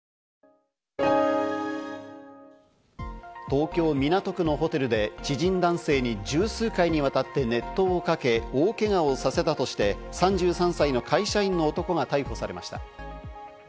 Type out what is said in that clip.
東京・港区のホテルで知人男性に十数回にわたって熱湯をかけ、大けがをさせたとして、３３歳の会社員の男が逮捕されました。